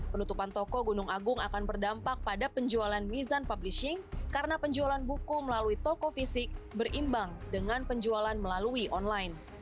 penutupan toko gunung agung akan berdampak pada penjualan mizan publishing karena penjualan buku melalui toko fisik berimbang dengan penjualan melalui online